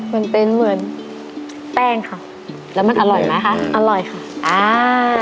มันเป็นเหมือนแป้งค่ะแล้วมันอร่อยไหมคะอร่อยค่ะอ่า